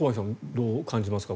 どう感じますか？